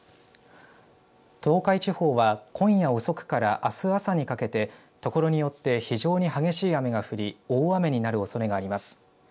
東海地方は今夜遅くからあす朝にかけて所によって非常に激しい雨が降り大雨になるおそれがあります。